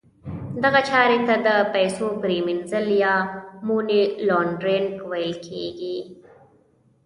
دغه چارې ته د پیسو پریمینځل یا Money Laundering ویل کیږي.